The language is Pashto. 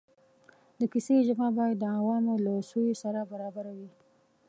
د کیسې ژبه باید د عوامو له سویې سره برابره وي.